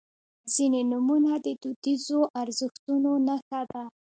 • ځینې نومونه د دودیزو ارزښتونو نښه ده.